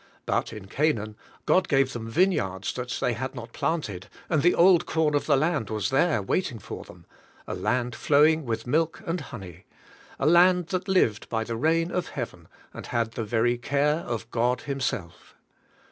But in Canaan God gave them vineyards that they had not planted, and the old corn of the land was there waiting for them ; aland flowing with milk and honey ; a land that lived by the rain of Heaven and had the very care of God Himself.